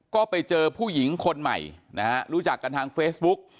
ก็ไปเจอผู้หญิงคนใหม่นะฮะรู้จักกันทางเฟซบุ๊ก